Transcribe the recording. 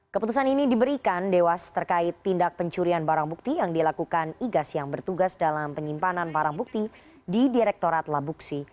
keputusan ini diberikan dewas terkait tindak pencurian barang bukti yang dilakukan igas yang bertugas dalam penyimpanan barang bukti di direktorat labuksi